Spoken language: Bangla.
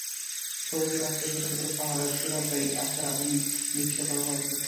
সবুজের আশ্রয়ে ছোট ছোট পাহাড়ের চূড়ায় দাঁড়িয়ে আছে আধুনিক, বিশালাকারের কয়েকটি ভবন।